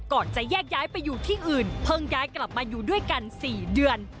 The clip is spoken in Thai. ก่อนจะแยกย้ายไปอยู่ที่อื่นเพิ่งย้ายกลับมาอยู่ด้วยกัน๔เดือน